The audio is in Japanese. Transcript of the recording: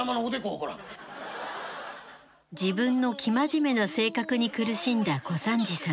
自分の生真面目な性格に苦しんだ小三治さん。